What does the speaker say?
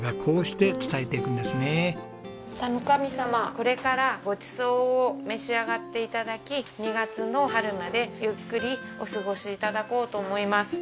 これからごちそうを召し上がって頂き２月の春までゆっくりお過ごし頂こうと思います。